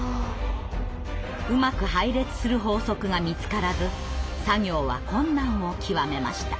うまく配列する法則が見つからず作業は困難を極めました。